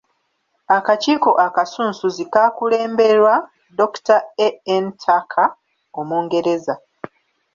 Akakiiko akasunsuzi kaakulemberwa Dr. A.N.Tucker Omungereza.